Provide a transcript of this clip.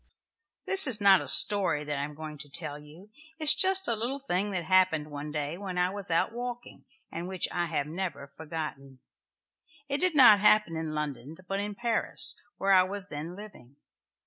This is not a story that I am going to tell you. It is just a little thing that happened one day when I was out walking, and which I have never forgotten. It did not happen in London, but in Paris, where I was then living.